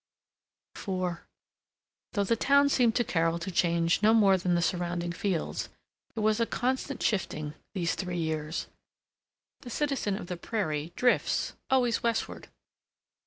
IV Though the town seemed to Carol to change no more than the surrounding fields, there was a constant shifting, these three years. The citizen of the prairie drifts always westward.